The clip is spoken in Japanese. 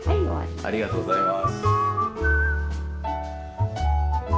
ありがとうございます。